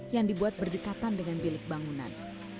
yang dibuat berdekatan dengan bilik bangunan